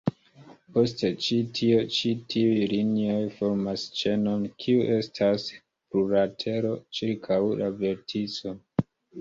Post ĉi tio, ĉi tiuj linioj formas ĉenon, kiu estas plurlatero, ĉirkaŭ la vertico.